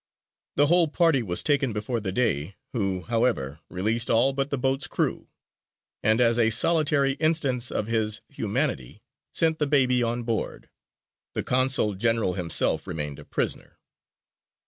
The whole party were taken before the Dey, who, however, released all but the boat's crew, and, as "a solitary instance of his humanity," sent the baby on board. The Consul General himself remained a prisoner.